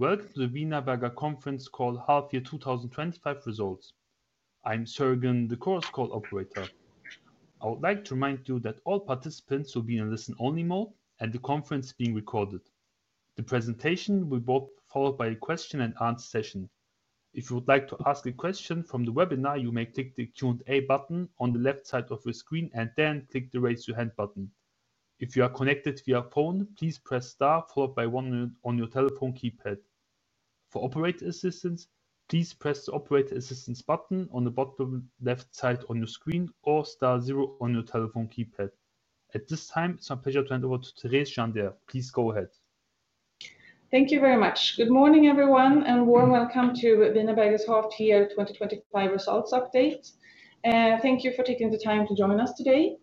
Welcome to the wienerberger conference call, half-year 2025 results. I'm Sörgen, the Chorus Call operator. I would like to remind you that all participants will be in a listen-only mode and the conference is being recorded. The presentation will be followed by a question-and-answer session. If you would like to ask a question from the webinar, you may click the Q&A button on the left side of your screen and then click the Raise Your Hand button. If you are connected via phone, please press star followed by one on your telephone keypad. For operator assistance, please press the operator assistance button on the bottom left side of your screen or star zero on your telephone keypad. At this time, it's my pleasure to hand over to Therese Jandér. Please go ahead. Thank you very much. Good morning, everyone, and warm welcome to the Wienerberger half-year 2025 results update. Thank you for taking the time to join us today.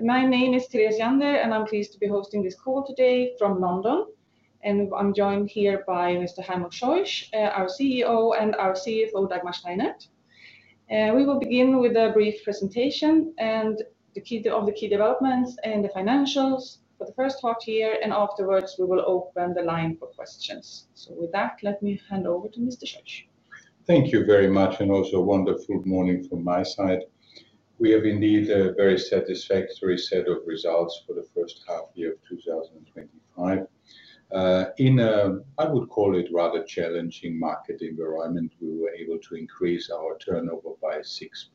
My name is Therese Jandér and I'm pleased to be hosting this call today from London. I'm joined here by Mr. Heimo Scheuch, our CEO, and our CFO, Dagmar Steinert. We will begin with a brief presentation of the key developments and the financials for the first half-year, and afterwards we will open the line for questions. With that, let me hand over to Mr. Scheuch. Thank you very much and also a wonderful morning from my side. We have indeed a very satisfactory set of results for the first half-year of 2025. In a, I would call it, rather challenging marketing environment, we were able to increase our turnover by 6%,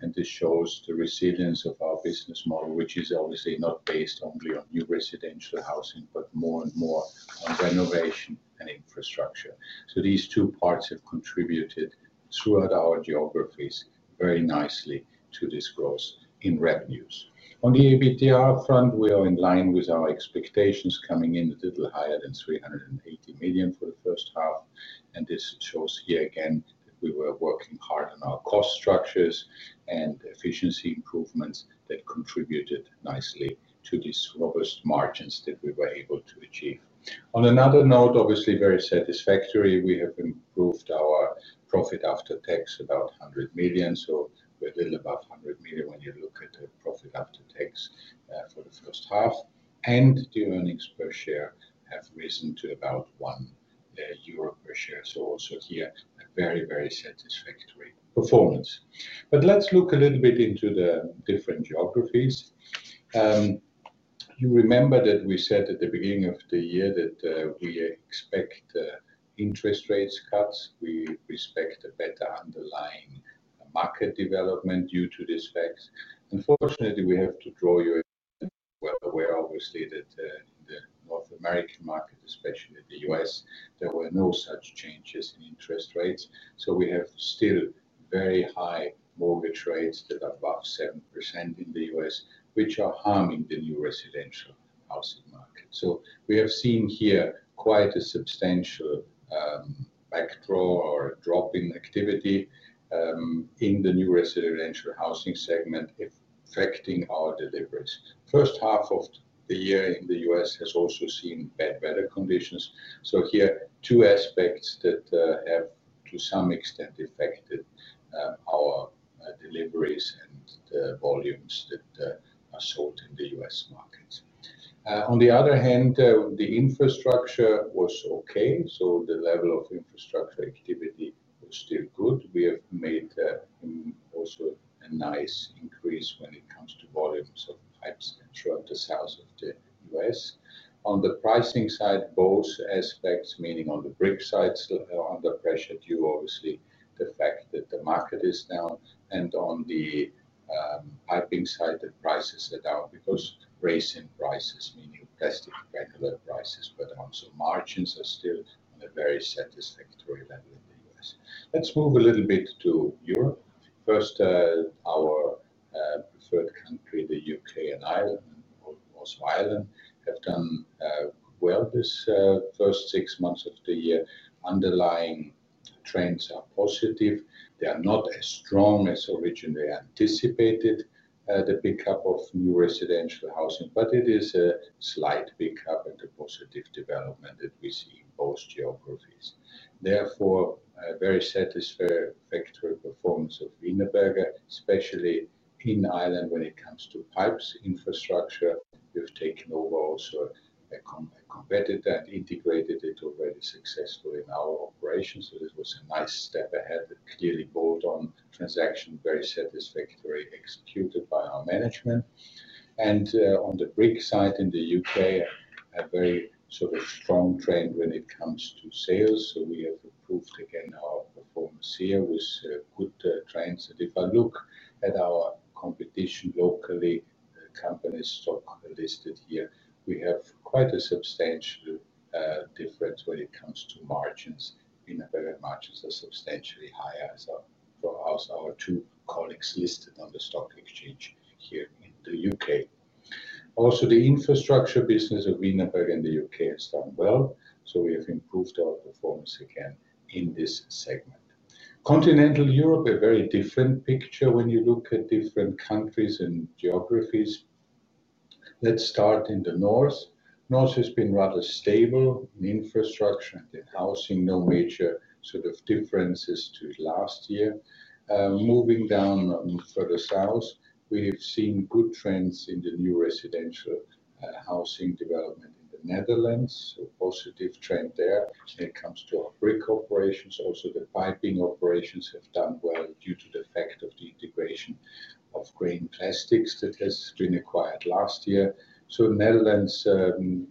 and this shows the resilience of our business model, which is obviously not based only on new residential housing, but more and more on renovation and infrastructure. These two parts have contributed throughout our geographies very nicely to this growth in revenues. On the EBITDA front, we are in line with our expectations, coming in a little higher than 380 million for the first half, and this shows here again that we were working hard on our cost structures and efficiency improvements that contributed nicely to these robust margins that we were able to achieve. On another note, obviously very satisfactory, we have improved our profit after tax about 100 million, so we're a little above 100 million when you look at the profit after tax for the first half, and the earnings per share have risen to about 1 euro per share. Also here, a very, very satisfactory performance. Let's look a little bit into the different geographies. You remember that we said at the beginning of the year that we expect interest rate cuts. We expect a better underlying market development due to this fact. Unfortunately, we have to draw your, obviously, that the North American market, especially the U.S., there were no such changes in interest rates. We have still very high mortgage rates that are above 7% in the U.S., which are armed in the new residential housing market. We have seen here quite a substantial backdraw or drop in activity in the new residential housing segment affecting our deliveries. The first half of the year in the U.S. has also seen better conditions. Here are two aspects that have to some extent affected our deliveries and the volumes that are sold in the U.S. markets. On the other hand, the infrastructure was okay, so the level of infrastructure activity was still good. We have made also a nice increase when it comes to volumes of pipes throughout the south of the U.S. On the pricing side, both aspects, meaning on the brick sites are under pressure due to obviously the fact that the market is down and on the piping side that prices are down because raising prices, meaning the price of regular prices were down. Margins are still a very satisfactory level in the U.S. Let's move a little bit to Europe. First, our preferred country, the U.K. and Ireland, have done well this first six months of the year. Underlying trends are positive. They are not as strong as originally anticipated, the pickup of new residential housing, but it is a slight pickup and a positive development that we see in both geographies. Therefore, a very satisfactory performance of wienerberger, especially in Ireland when it comes to pipes infrastructure. We've taken over also a competitor and integrated it already successfully in our operations. This was a nice step ahead, clearly bought on transaction, very satisfactory executed by our management. On the brick side in the U.K., a very sort of strong trend when it comes to sales. We have approved again our performance here with good trends. If I look at our competition locally, the companies stock listed here, we have quite a substantial difference when it comes to margins. wienerberger margins are substantially higher as are for our two colleagues listed on the stock exchange here in the U.K. Also, the infrastructure business of Wienerberger in the U.K. has done well. We have improved our performance again in this segment. Continental Europe, a very different picture when you look at different countries and geographies. Let's start in the north. North has been rather stable in infrastructure, housing, no major sort of differences to last year. Moving down further south, we've seen good trends in the new residential housing development in the Netherlands. A positive trend there when it comes to our brick operations. Also, the piping operations have done well due to the fact of the integration of green plastics that has been acquired last year. Netherlands,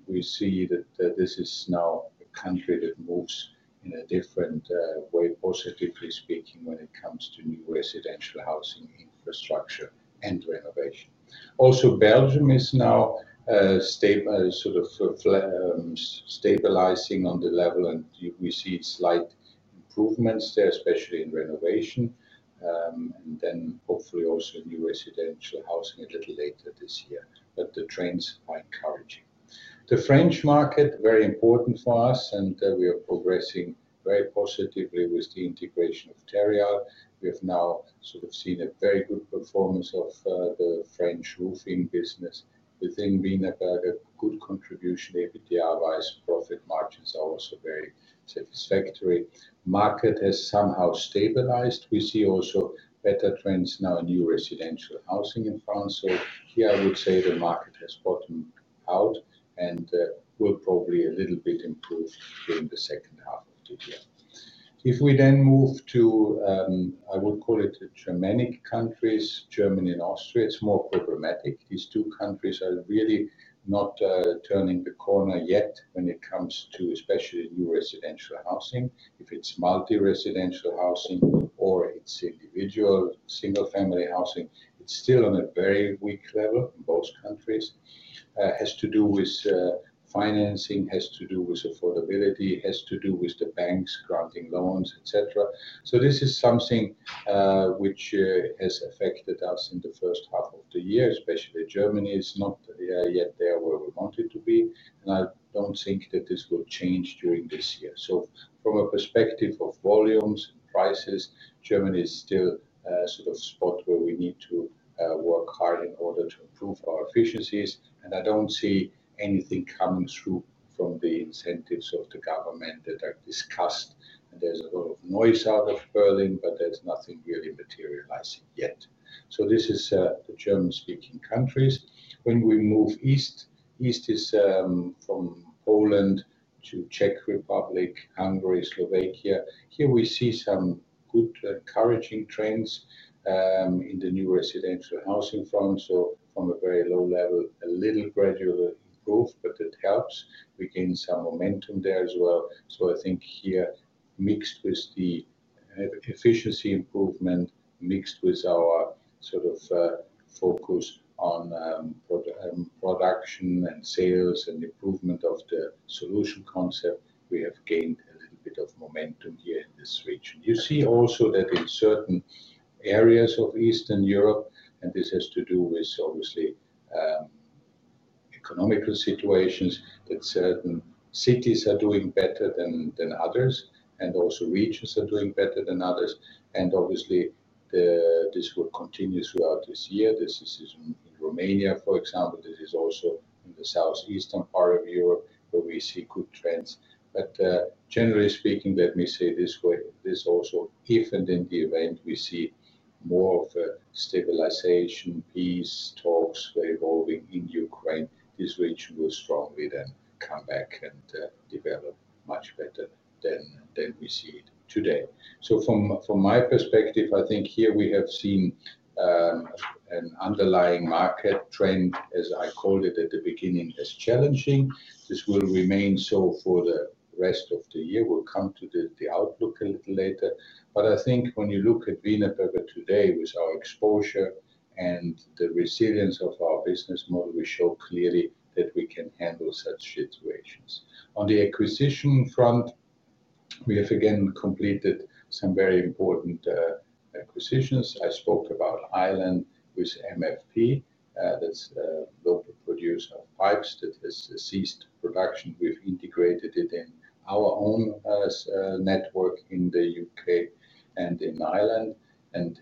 we see that this is now a country that moves in a different way, positively speaking, when it comes to new residential housing infrastructure and renovation. Also, Belgium is now stabilizing on the level, and we see slight improvements there, especially in renovation. Hopefully also in new residential housing a little later this year. The trends are encouraging. The French market is very important for us, and we are progressing very positively with the integration of Terreal. We've now sort of seen a very good performance of the French roofing business within wienerberger, a good contribution ABTR-wise. Profit margins are also very satisfactory. The market has somehow stabilized. We see also better trends now in new residential housing in France. Here I would say the market has bottomed out and will probably a little bit improve during the second half of the year. If we then move to, I would call it the Germanic countries, Germany and Austria, it's more problematic. These two countries are really not turning the corner yet when it comes to especially new residential housing. If it's multi-residential housing or it's individual single-family housing, it's still on a very weak level in both countries. It has to do with financing, has to do with affordability, has to do with the banks granting loans, etc. This is something which has affected us in the first half of the year, especially Germany. It's not yet there where we want it to be, and I don't think that this will change during this year. From a perspective of volumes, prices, Germany is still a sort of spot where we need to work hard in order to improve our efficiencies, and I don't see anything coming through from the incentives of the government that I've discussed. There's a little noise out of Berlin, but there's nothing really materializing yet. This is the German-speaking countries. When we move east, east is from Poland to Czech Republic, Hungary, Slovakia. Here we see some good encouraging trends in the new residential housing fund. From a very low level, a little gradual growth, but it helps. We gain some momentum there as well. I think here mixed with the efficiency improvement, mixed with our sort of focus on production and sales and improvement of the solution concept, we have gained a little bit of momentum here in this region. You see also that in certain areas of Eastern Europe, and this has to do with obviously economical situations, that certain cities are doing better than others, and also regions are doing better than others. Obviously, this will continue throughout this year. This is in Romania, for example. This is also in the southeastern part of Europe where we see good trends. Generally speaking, let me say this way. This is also different than the event we see more of a stabilization, peace talks were evolving in Ukraine. This region will strongly then come back and develop much better than we see it today. From my perspective, I think here we have seen an underlying market trend, as I called it at the beginning, as challenging. This will remain so for the rest of the year. We'll come to the outlook a little later. I think when you look at wienerberger today with our exposure and the resilience of our business model, we show clearly that we can handle such situations. On the acquisition front, we have again completed some very important acquisitions. I spoke about Ireland with MFP, that's a local producer of pipes that has ceased production. We've integrated it in our own network in the U.K. and in Ireland and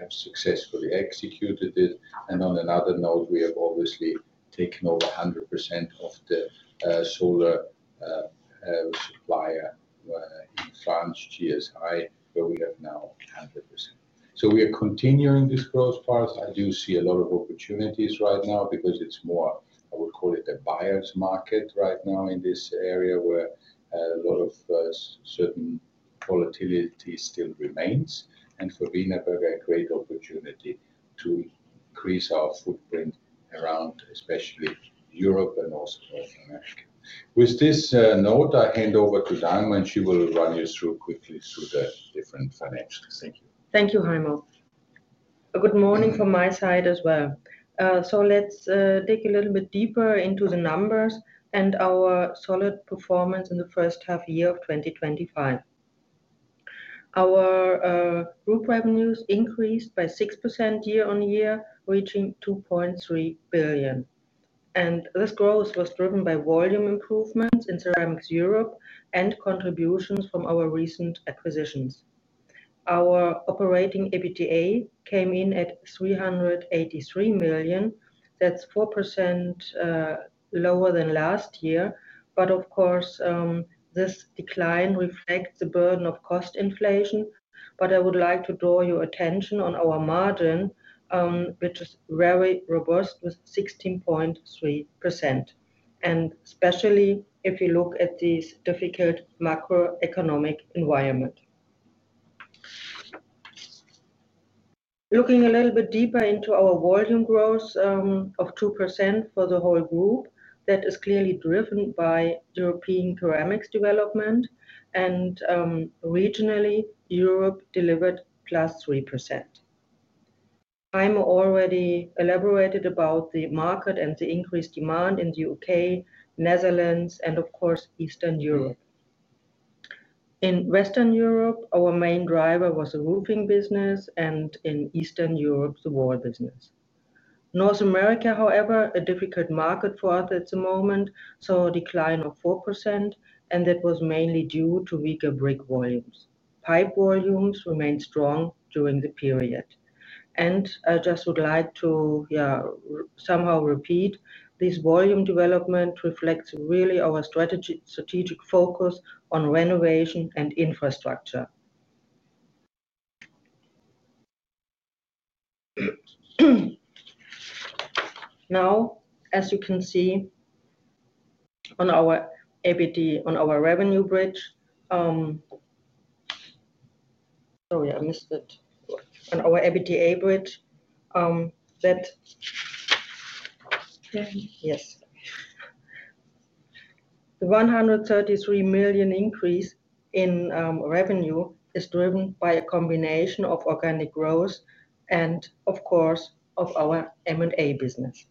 have successfully executed it. On another note, we have obviously taken over 100% of the solar supplier in Sarms GSI, where we have now 100%. We are continuing this growth path. I do see a lot of opportunities right now because it's more, I would call it a buyer's market right now in this area where a lot of certain volatility still remains. For wienerberger, a great opportunity to increase our footprint around especially Europe and also Northern Africa. With this note, I hand over to Dagmar, and she will run you quickly through the different financials. Thank you. Thank you, Heimo. Good morning from my side as well. Let's dig a little bit deeper into the numbers and our solid performance in the first half year of 2025. Our group revenues increased by 6% year on year, reaching 2.3 billion. This growth was driven by volume improvements in Ceramics Europe and contributions from our recent acquisitions. Our operating EBITDA came in at 383 million. That's 4% lower than last year. This decline reflects the burden of cost inflation. I would like to draw your attention to our margin, which is very robust at 16.3%, especially if you look at this difficult macro-economic environment. Looking a little bit deeper into our volume growth of 2% for the whole group, that is clearly driven by European ceramics development. Regionally, Europe delivered +3%. I already elaborated about the market and the increased demand in the U.K., Netherlands, and, of course, Eastern Europe. In Western Europe, our main driver was the roofing business, and in Eastern Europe, the wall business. North America, however, a difficult market for us at the moment, saw a decline of 4%, and that was mainly due to weaker brick volumes. Pipe volumes remained strong during the period. I just would like to repeat, this volume development really reflects our strategic focus on renovation and infrastructure. As you can see on our revenue bridge and our EBITDA bridge, the 133 million increase in revenue is driven by a combination of organic growth and, of course, our M&A business.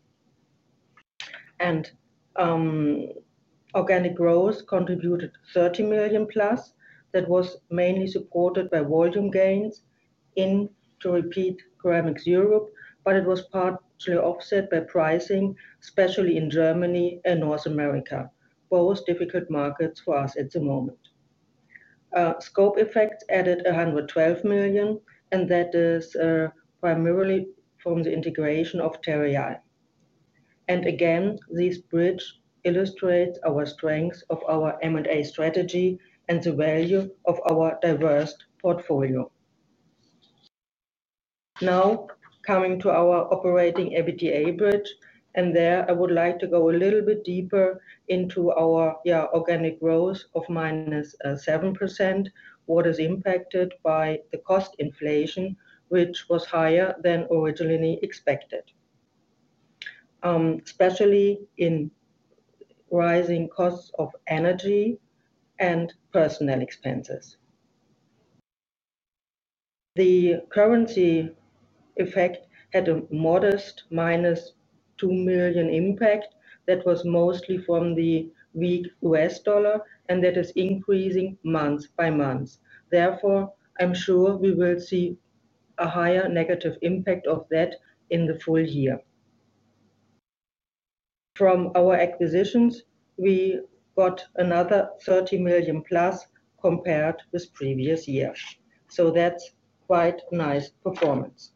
Organic growth contributed +30 million. That was mainly supported by volume gains in, to repeat, Ceramics Europe, but it was partially offset by pricing, especially in Germany and North America, both difficult markets for us at the moment. Scope effects added 112 million, and that is primarily from the integration of Terreal. This bridge illustrates the strengths of our M&A strategy and the value of our diverse portfolio. Coming to our operating EBITDA bridge, I would like to go a little bit deeper into our organic growth of -7%, which is impacted by the cost inflation, which was higher than originally expected, especially in rising costs of energy and personnel expenses. The currency effect had a modest -2 million impact. That was mostly from the weak U.S. dollar, and that is increasing month by month. Therefore, I'm sure we will see a higher negative impact of that in the full year. From our acquisitions, we got another +30 million compared with previous years. That's quite a nice performance.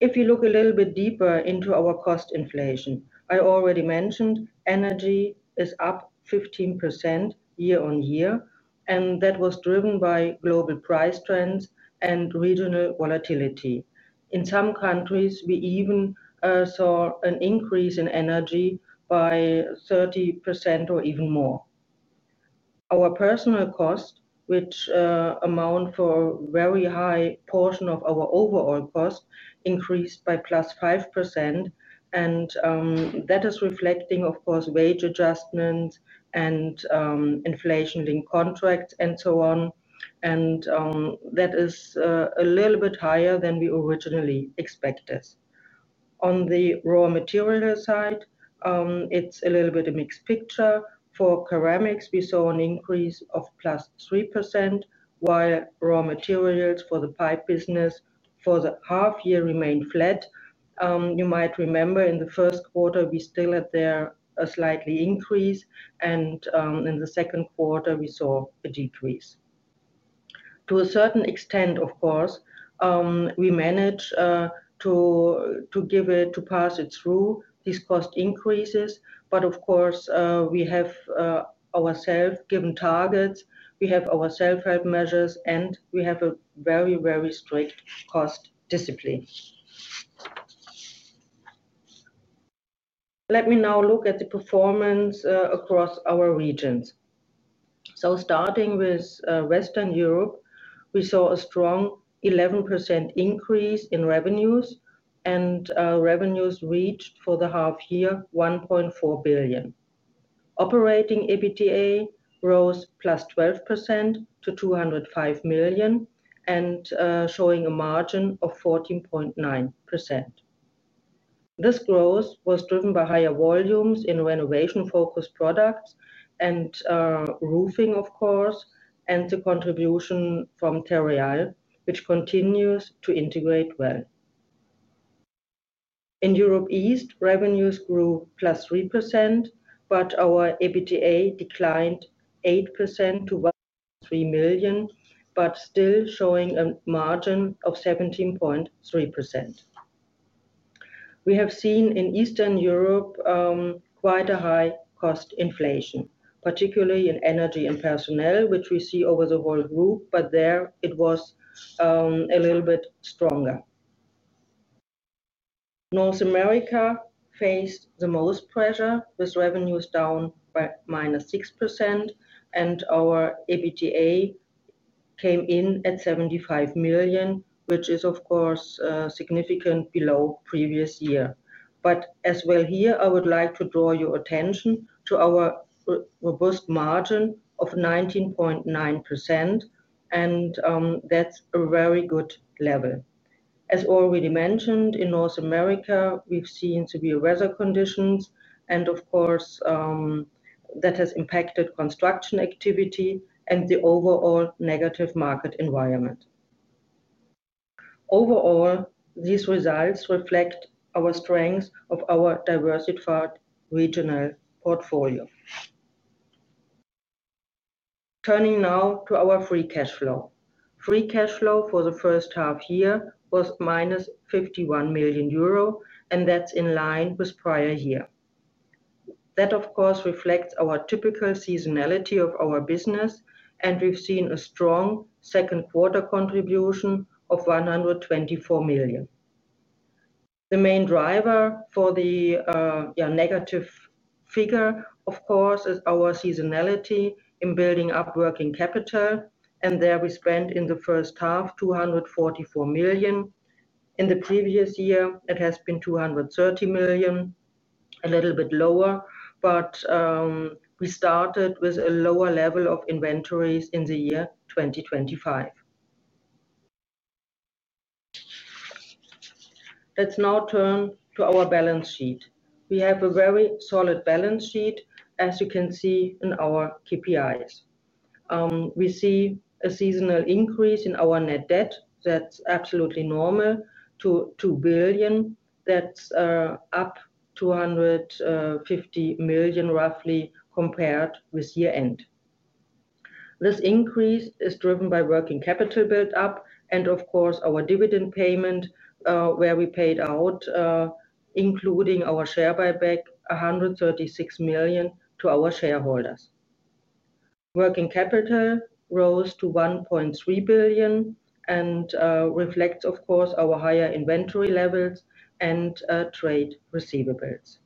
If you look a little bit deeper into our cost inflation, I already mentioned energy is up 15% year on year, and that was driven by global price trends and regional volatility. In some countries, we even saw an increase in energy by 30% or even more. Our personnel costs, which amount for a very high portion of our overall cost, increased by 5%, and that is reflecting, of course, wage adjustments and inflation in contracts and so on. That is a little bit higher than we originally expected. On the raw material side, it's a little bit of a mixed picture. For ceramics, we saw an increase of +3%, while raw materials for the pipe business for the half-year remained flat. You might remember in the first quarter, we still had a slight increase, and in the second quarter, we saw a decrease. To a certain extent, of course, we managed to pass through these cost increases. We have ourselves given targets, we have our self-help measures, and we have a very, very strict cost discipline. Let me now look at the performance across our regions. Starting with Western Europe, we saw a strong 11% increase in revenues, and revenues reached for the half-year 1.4 billion. Operating EBITDA rose +12% to 205 million and showing a margin of 14.9%. This growth was driven by higher volumes in renovation-focused products and roofing, of course, and the contribution from Terreal, which continues to integrate well. In Europe East, revenues grew +3%, but our EBITDA declined 8% to 1.3 million, but still showing a margin of 17.3%. We have seen in Eastern Europe quite a high cost inflation, particularly in energy and personnel, which we see over the whole group, but there it was a little bit stronger. North America faced the most pressure with revenues down by -6%, and our EBITDA came in at 75 million, which is, of course, significantly below the previous year. I would like to draw your attention to our robust margin of 19.9%, and that's a very good level. As already mentioned, in North America, we've seen severe weather conditions, and of course, that has impacted construction activity and the overall negative market environment. Overall, these results reflect the strengths of our diversified regional portfolio. Turning now to our free cash flow. Free cash flow for the first half year was -51 million euro, and that's in line with the prior year. That, of course, reflects our typical seasonality of our business, and we've seen a strong second quarter contribution of 124 million. The main driver for the negative figure, of course, is our seasonality in building up working capital, and there we spent in the first half 244 million. In the previous year, it has been 230 million, a little bit lower, but we started with a lower level of inventories in the year 2025. Let's now turn to our balance sheet. We have a very solid balance sheet, as you can see in our KPIs. We see a seasonal increase in our net debt. That's absolutely normal to 2 billion. That's up 250 million roughly compared with year-end. This increase is driven by working capital build-up and, of course, our dividend payment where we paid out, including our share buyback, 136 million to our shareholders. Working capital rose to 1.3 billion and reflects, of course, our higher inventory levels and trade receivables.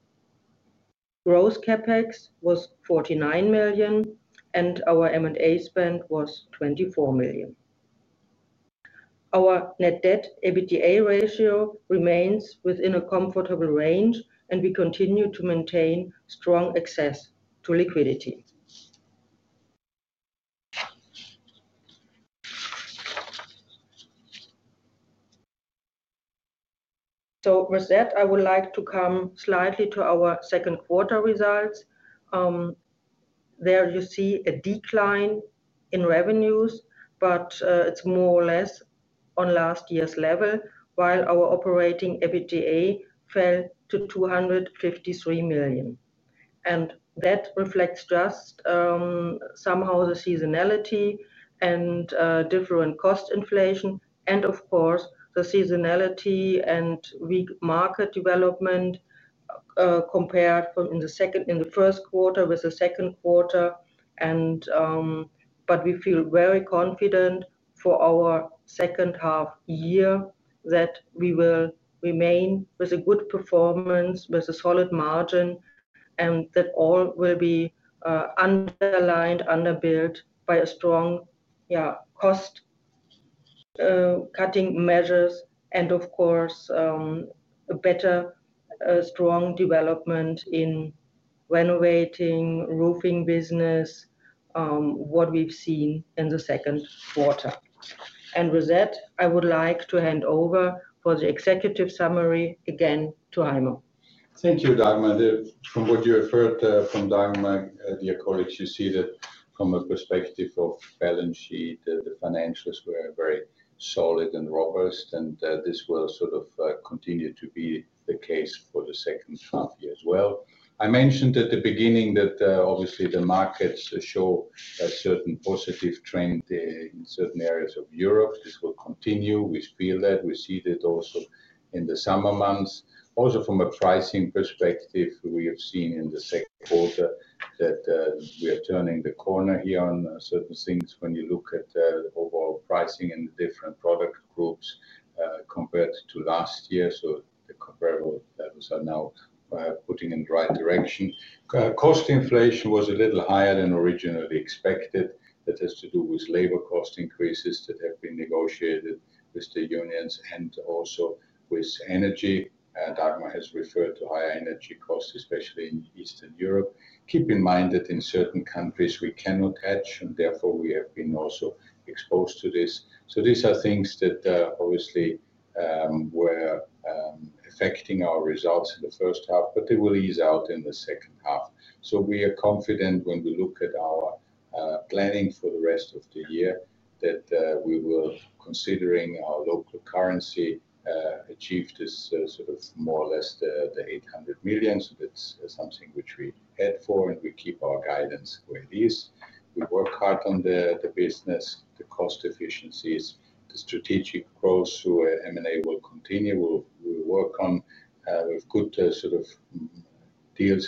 Gross CapEx was 49 million, and our M&A spend was 24 million. Our net debt EBITDA ratio remains within a comfortable range, and we continue to maintain strong access to liquidity. With that, I would like to come slightly to our second quarter results. There you see a decline in revenues, but it's more or less on last year's level, while our operating EBITDA fell to 253 million. That reflects just somehow the seasonality and different cost inflation, and, of course, the seasonality and weak market development compared from in the second and the first quarter with the second quarter. We feel very confident for our second half year that we will remain with a good performance, with a solid margin, and that all will be underlined, underbuilt by strong, yeah, cost-cutting measures, and, of course, a better, strong development in renovating, roofing business, what we've seen in the second quarter. With that, I would like to hand over for the executive summary again to Heimo. Thank you, Dagmar. From what you referred from Dagmar, your colleagues, you see that from a perspective of balance sheet, the financials were very solid and robust, and this will continue to be the case for the second half year as well. I mentioned at the beginning that obviously the markets show a certain positive trend in certain areas of Europe. This will continue. We feel that we see that also in the summer months. Also, from a pricing perspective, we have seen in the second quarter that we are turning the corner here on certain things when you look at the overall pricing in the different product groups compared to last year. The comparables are now putting in the right direction. Cost inflation was a little higher than originally expected. That has to do with labor cost increases that have been negotiated with the unions and also with energy. Dagmar has referred to higher energy costs, especially in Eastern Europe. Keep in mind that in certain countries we cannot touch, and therefore we have been also exposed to this. These are things that were affecting our results in the first half, but they will ease out in the second half. We are confident when we look at our planning for the rest of the year that we will, considering our local currency, achieve this sort of more or less the 800 million. That is something which we head for and we keep our guidance where it is. We work hard on the business, the cost efficiencies, the strategic growth through M&A will continue. We will work on with good deals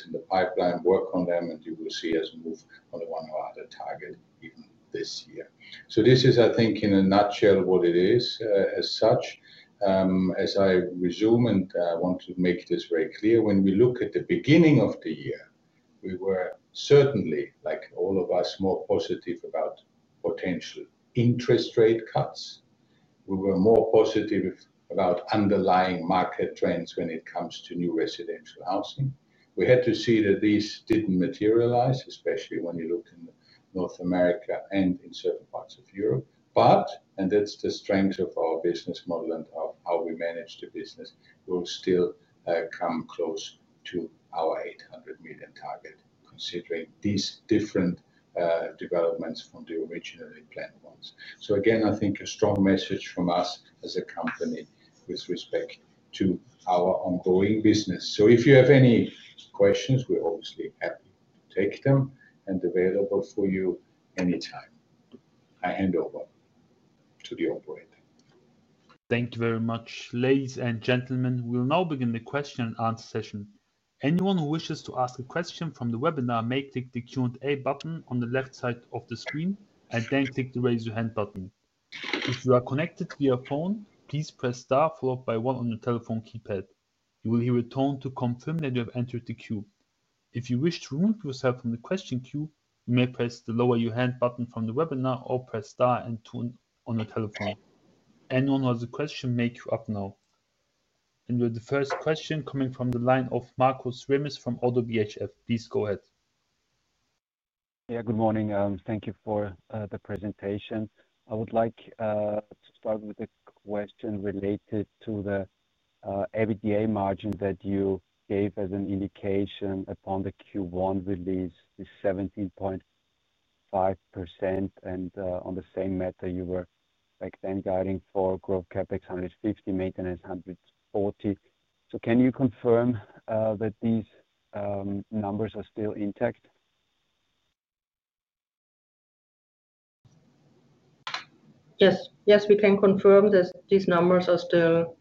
in the pipeline, work on them, and you will see us move on the one or other target even this year. This is, I think, in a nutshell what it is as such. As I resume and I want to make this very clear, when we look at the beginning of the year, we were certainly, like all of us, more positive about potential interest rate cuts. We were more positive about underlying market trends when it comes to new residential housing. We had to see that these did not materialize, especially when you look in North America and in certain parts of Europe. That is the strength of our business model and how we manage the business. We will still come close to our 800 million target, considering these different developments from the originally planned ones. Again, I think a strong message from us as a company with respect to our ongoing business. If you have any questions, we are obviously happy to take them and available for you anytime. I hand over to the operator. Thank you very much, ladies and gentlemen. We'll now begin the question-and-answer session. Anyone who wishes to ask a question from the webinar may click the Q&A button on the left side of the screen and then click the Raise Your Hand button. If you are connected via phone, please press star followed by one on the telephone keypad. You will hear a tone to confirm that you have entered the queue. If you wish to remove yourself from the question queue, you may press the Lower Your Hand button from the webinar or press star and tone on the telephone. Anyone who has a question may clap now. With the first question coming from the line of Markus Remis from ODDO BHF, please go ahead. Good morning. Thank you for the presentation. I would like to start with a question related to the EBITDA margin that you gave as an indication upon the Q1 release, the 17.5%, and on the same method you were back then guiding for growth CapEx 150 million, maintenance 140 million. Can you confirm that these numbers are still intact? Yes, yes, we can confirm that these numbers are still,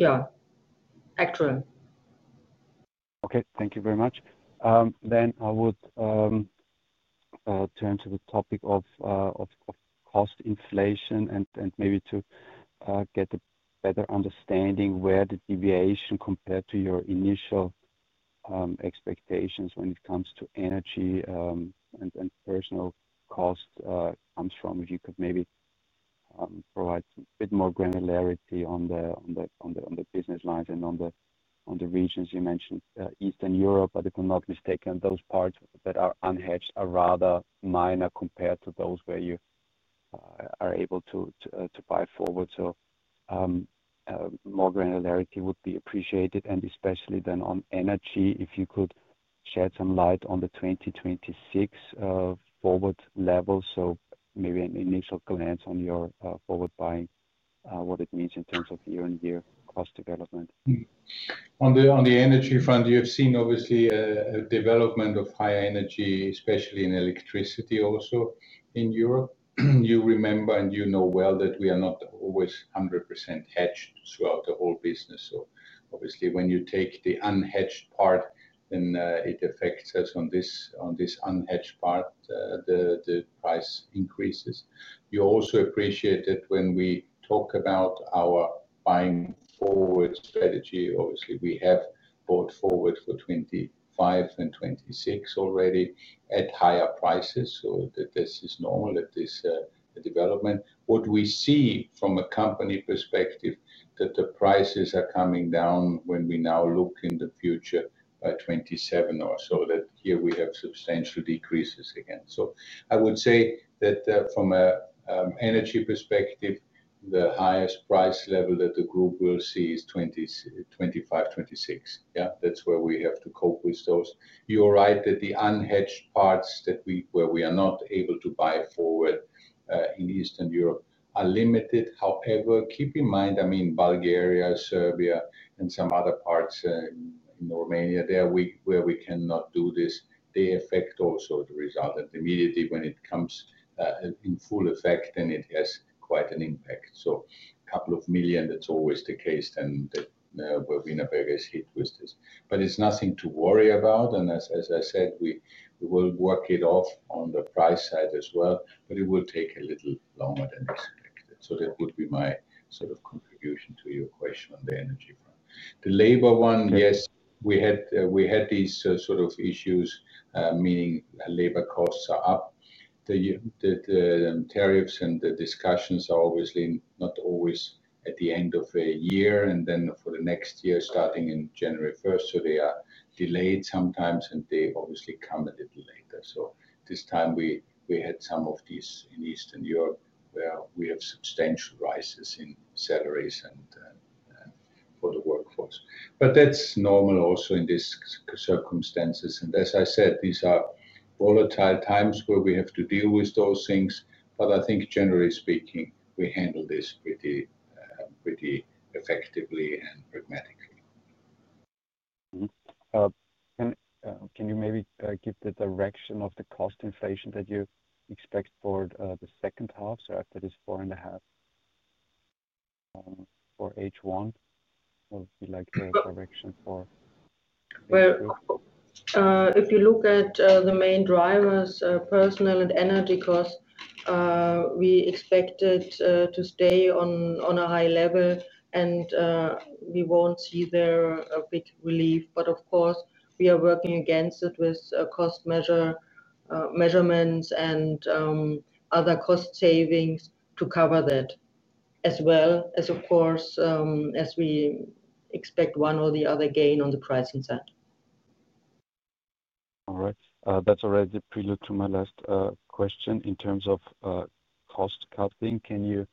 yeah, actual. Okay, thank you very much. I would turn to the topic of cost inflation and maybe to get a better understanding where the deviation compared to your initial expectations when it comes to energy and personnel cost comes from. If you could maybe provide a bit more granularity on the business lines and on the regions you mentioned, Eastern Europe, I think if I'm not mistaken, those parts that are unhedged are rather minor compared to those where you are able to buy forward. More granularity would be appreciated, and especially on energy, if you could shed some light on the 2026 forward level. Maybe an initial glance on your forward buying, what it means in terms of year-on-year cost development. On the energy front, you have seen obviously a development of higher energy, especially in electricity also in Europe. You remember and you know well that we are not always 100% hedged throughout the whole business. Obviously, when you take the unhedged part, then it affects us on this unhedged part, the price increases. You also appreciate that when we talk about our buying forward strategy, we have bought forward for 2025 and 2026 already at higher prices. This is normal that this is a development. What we see from a company perspective is that the prices are coming down when we now look in the future by 2027 or so, that here we have substantial decreases again. I would say that from an energy perspective, the highest price level that the group will see is 2025, 2026. Yeah, that's where we have to cope with those. You're right that the unhedged parts where we are not able to buy forward in Eastern Europe are limited. However, keep in mind, I mean Bulgaria, Serbia, and some other parts, in Romania, there where we cannot do this, they affect also the result. Immediately when it comes in full effect, then it has quite an impact. A couple of million, that's always the case, then where Wienerberger is hit with this. It's nothing to worry about. As I said, we will work it off on the price side as well, but it will take a little longer than expected. That would be my sort of contribution to your question on the energy one. The labor one, yes, we had these sort of issues, meaning labor costs are up. The tariffs and the discussions are obviously not always at the end of the year, and then for the next year, starting on January 1st. They are delayed sometimes, and they obviously come a little later. This time we had some of these in Eastern Europe where we have substantial rises in salaries and for the workforce. That's normal also in these circumstances. As I said, these are volatile times where we have to deal with those things. I think generally speaking, we handle this pretty effectively and pragmatically. Can you maybe give the direction of the cost inflation that you expect for the second half, so after this 4.5% for H1? What would you like the direction for? If you look at the main drivers, personnel and energy costs, we expect it to stay on a high level, and we won't see there a big relief. Of course, we are working against it with cost measurements and other cost savings to cover that, as well as, of course, as we expect one or the other gain on the pricing side. All right. That's already the prelude to my last question. In terms of cost cutting, can you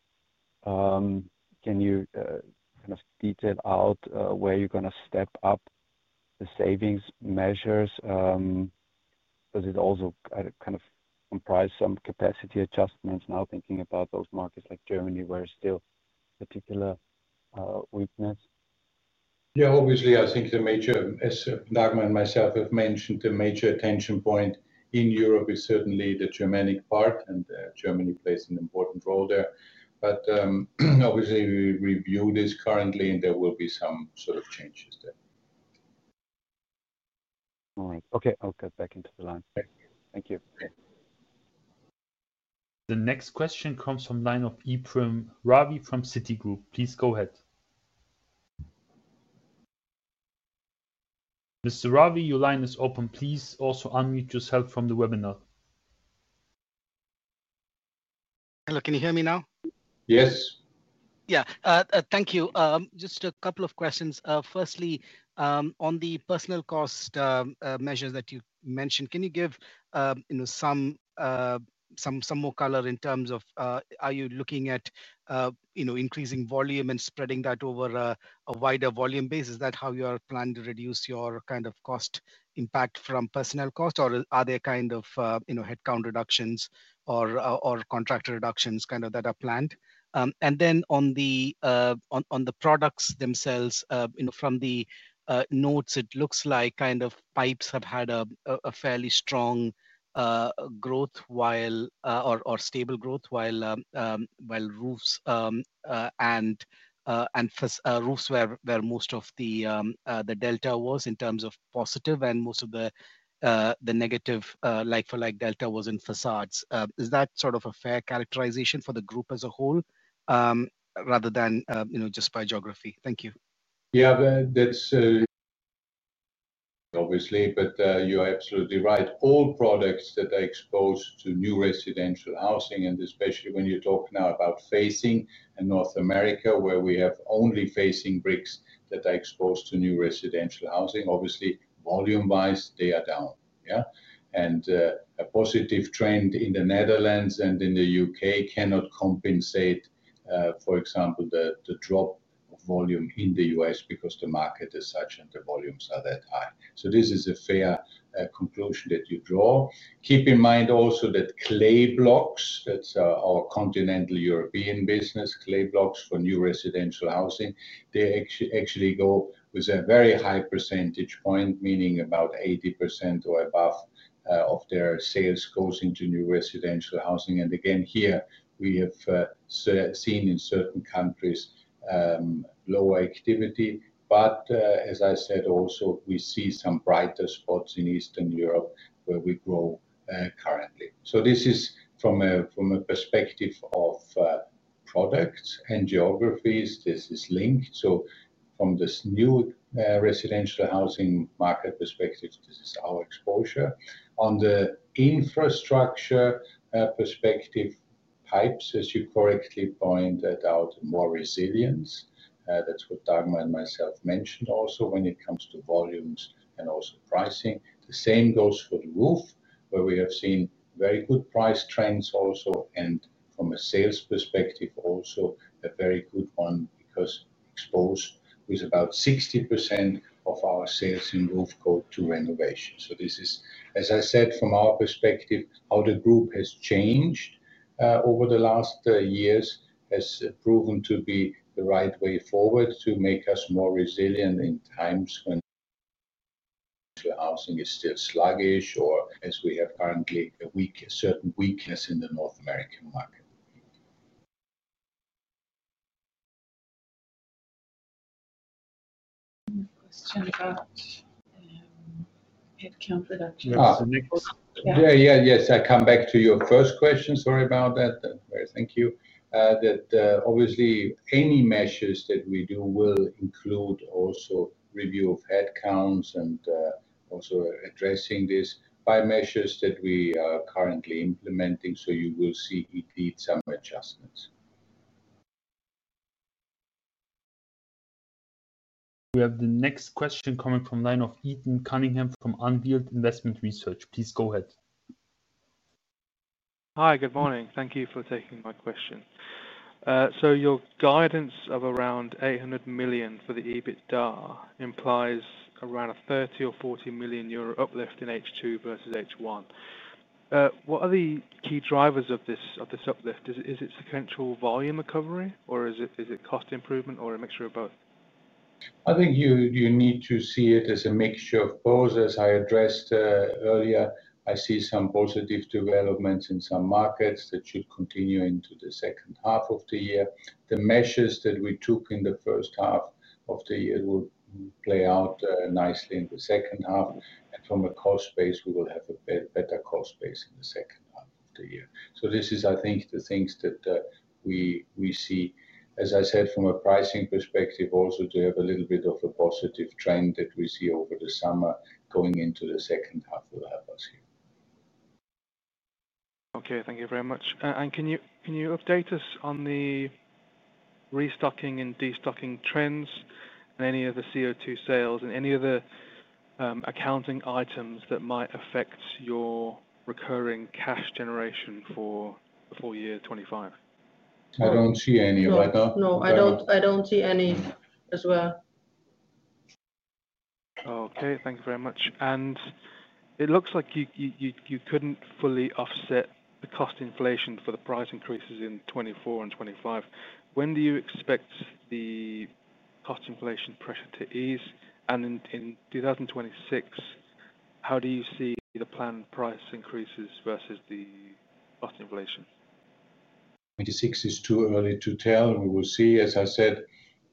kind of detail out where you're going to step up the savings measures? Does it also kind of comprise some capacity adjustments now thinking about those markets like Germany where it's still a particular weakness? Yeah, obviously, I think the major, as Dagmar and myself have mentioned, the major attention point in Europe is certainly the Germanic part, and Germany plays an important role there. Obviously, we review this currently, and there will be some sort of changes there. All right. Okay, I'll cut back into the line. Thank you. The next question comes from the line of Ephrem Ravi from Citi Group. Please go ahead. Mr. Ravi, your line is open. Please also unmute yourself from the webinar. Hello, can you hear me now? Yes. Yeah, thank you. Just a couple of questions. Firstly, on the personnel cost measures that you mentioned, can you give some more color in terms of are you looking at increasing volume and spreading that over a wider volume base? Is that how you are planning to reduce your kind of cost impact from personnel cost, or are there kind of headcount reductions or contractor reductions that are planned? On the products themselves, from the notes, it looks like pipes have had a fairly strong growth or stable growth while roofs, where most of the delta was in terms of positive, and most of the negative like-for-like delta was in facades. Is that sort of a fair characterization for the group as a whole rather than just by geography? Thank you. Yeah, that's obviously, but you're absolutely right. All products that are exposed to new residential housing, and especially when you're talking now about facing and North America, where we have only facing bricks that are exposed to new residential housing, obviously, volume-wise, they are down. The positive trend in the Netherlands and in the U.K. cannot compensate, for example, the drop of volume in the U.S. because the market is such and the volumes are that high. This is a fair conclusion that you draw. Keep in mind also that clay blocks, that's our continental European business, clay blocks for new residential housing, they actually go with a very high percentage point, meaning about 80% or above of their sales goes into new residential housing. Again, here we have seen in certain countries lower activity. As I said, also we see some brighter spots in Eastern Europe where we grow currently. This is from a perspective of products and geographies. This is linked. From this new residential housing market perspective, this is our exposure. On the infrastructure perspective, pipes, as you correctly pointed out, more resilience. That's what Dagmar and myself mentioned also when it comes to volumes and also pricing. The same goes for the roof, where we have seen very good price trends also. From a sales perspective, also a very good one because it goes with about 60% of our sales in roof go to renovation. This is, as I said, from our perspective, how the group has changed over the last years has proven to be the right way forward to make us more resilient in times when housing is still sluggish or as we have currently a certain weakness in the North American market. A question about headcount adjustments. Yes, I come back to your first question. Sorry about that. Thank you. Obviously, any measures that we do will include also review of headcounts and also addressing this by measures that we are currently implementing. You will see indeed some adjustments. We have the next question coming from the line of Ethan Cunningham from On Field Investment Research. Please go ahead. Hi, good morning. Thank you for taking my question. Your guidance of around 800 million for the EBITDA implies around a 30 or 40 million euro uplift in H2 versus H1. What are the key drivers of this uplift? Is it sequential volume recovery, or is it cost improvement, or a mixture of both? I think you need to see it as a mixture of both. As I addressed earlier, I see some positive developments in some markets that should continue into the second half of the year. The measures that we took in the first half of the year will play out nicely in the second half. From a cost base, we will have a better cost base in the second half of the year. I think these are the things that we see. As I said, from a pricing perspective, also to have a little bit of a positive trend that we see over the summer going into the second half will help us here. Okay, thank you very much. Can you update us on the restocking and destocking trends and any of the CO2 sales and any of the accounting items that might affect your recurring cash generation for the full year 2025? I don't see any right now. No, I don't see any as well. Okay, thank you very much. It looks like you couldn't fully offset the cost inflation for the price increases in 2024 and 2025. When do you expect the cost inflation pressure to ease? In 2026, how do you see the planned price increases versus the cost inflation? 2026 is too early to tell. We will see, as I said,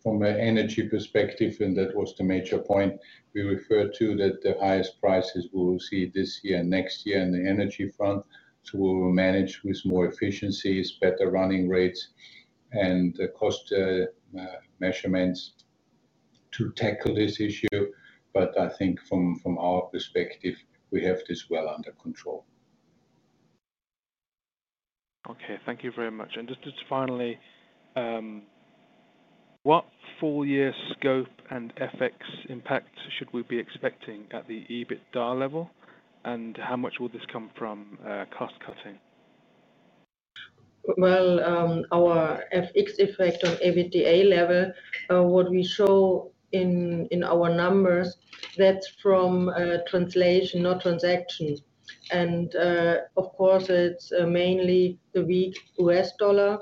from an energy perspective, and that was the major point we referred to, that the highest prices we will see this year and next year on the energy front. We will manage with more efficiencies, better running rates, and the cost measurements to tackle this issue. I think from our perspective, we have this well under control. Okay, thank you very much. Just finally, what full-year scope and FX impact should we be expecting at the EBITDA level? How much will this come from cost cutting? Our FX effect on EBITDA level, what we show in our numbers, that's from translation, not transaction. Of course, it's mainly the weak U.S. dollar.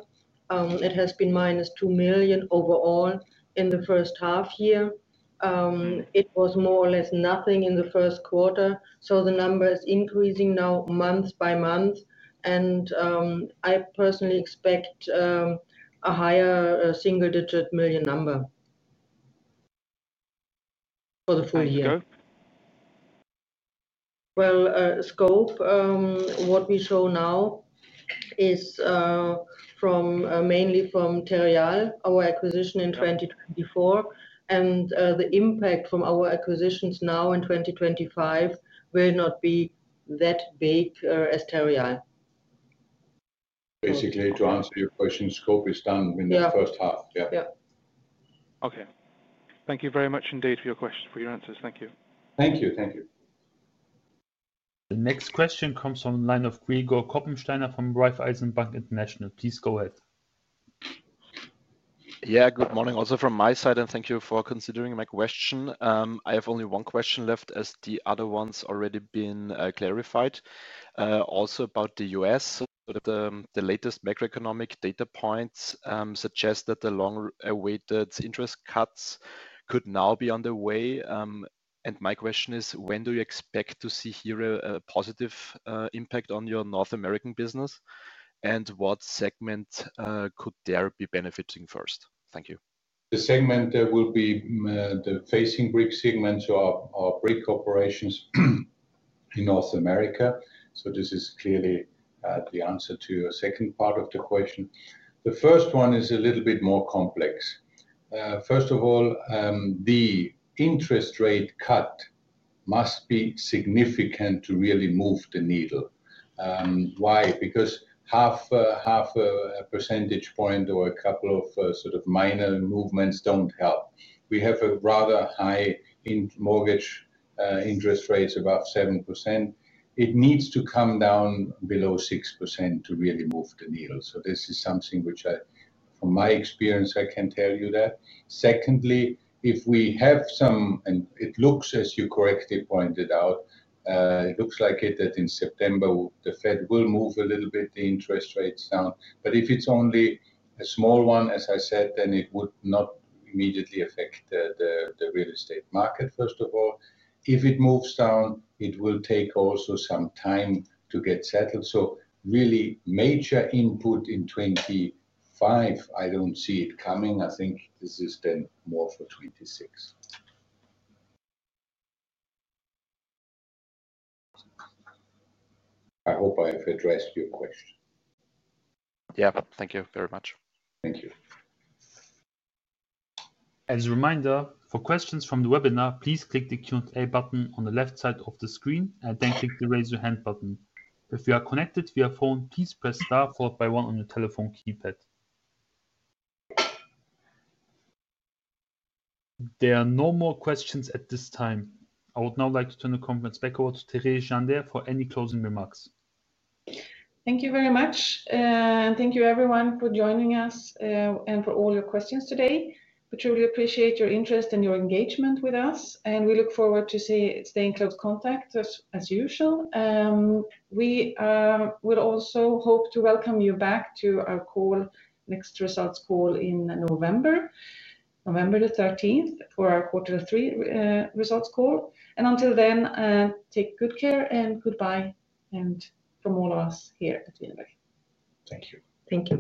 It has been -2 million overall in the first half year. It was more or less nothing in the first quarter. The number is increasing now month by month. I personally expect a higher single-digit million number for the full year. The curve? Scope, what we show now is mainly from Terreal, our acquisition in 2024. The impact from our acquisitions now in 2025 will not be that big as Terreal. Basically, to answer your question, scope is done in the first half. Yeah. Okay. Thank you very much indeed for your questions, for your answers. Thank you. Thank you. Thank you. The next question comes from the line of Gregor Koppensteiner from Raiffeisen Bank International. Please go ahead. Good morning also from my side, and thank you for considering my question. I have only one question left as the other ones have already been clarified. It's also about the U.S. The latest macro-economic data points suggest that the long-awaited interest cuts could now be on the way. My question is, when do you expect to see here a positive impact on your North American business, and what segment could be benefiting first? Thank you. The segment there will be the facing brick segments, so our brick corporations in North America. This is clearly the answer to your second part of the question. The first one is a little bit more complex. First of all, the interest rate cut must be significant to really move the needle. Why? Because half a percentage point or a couple of sort of minor movements don't help. We have a rather high mortgage interest rate, about 7%. It needs to come down below 6% to really move the needle. This is something which I, from my experience, I can tell you that. Secondly, if we have some, and it looks, as you correctly pointed out, it looks like it that in September, the Fed will move a little bit the interest rates down. If it's only a small one, as I said, then it would not immediately affect the real estate market, first of all. If it moves down, it will take also some time to get settled. Really, major input in 2025, I don't see it coming. I think this is then more for 2026. I hope I've addressed your question. Thank you very much. Thank you. As a reminder, for questions from the webinar, please click the Q&A button on the left side of the screen, then click the Raise Your Hand button. If you are connected via phone, please press star followed by one on your telephone keypad. There are no more questions at this time. I would now like to turn the conference back over to Therese Jandér for any closing remarks. Thank you very much. Thank you, everyone, for joining us and for all your questions today. We truly appreciate your interest and your engagement with us. We look forward to staying in close contact as usual. We also hope to welcome you back to our next results call in November, November 13th, for our quarter three results call. Until then, take good care and goodbye from all of us here at the fieldwork. Thank you. Thank you.